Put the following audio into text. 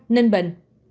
hai ninh bệnh